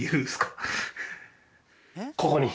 ここに。